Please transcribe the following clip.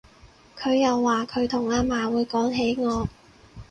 佢又話佢同阿嫲會講起我